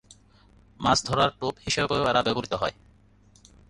মাছ ধরার টোপ হিসেবেও এরা ব্যবহৃত হয়।